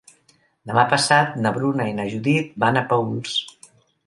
Demà passat na Bruna i na Judit van a Paüls.